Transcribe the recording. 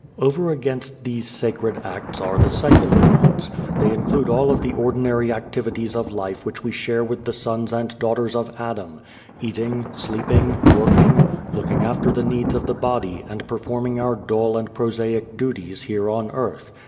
Over against these sacred acts are the secular ones. They include all of the ordinary activities of life which we share with the sons and daughters of Adam: eating, sleeping, working, looking after the needs of the body and performing our dull and prosaic duties here on earth.